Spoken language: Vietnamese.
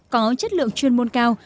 có chất lượng chuyên môn cao